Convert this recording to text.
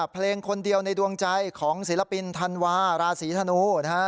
เพลงคนเดียวในดวงใจของศิลปินธันวาราศีธนูนะฮะ